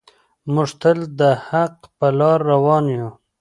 موږ تل د حق په لاره روان یو.